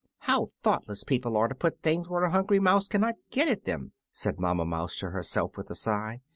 "How thoughtless people are to put things where a hungry mouse cannot get at them," said Mamma Mouse to herself, with a sigh.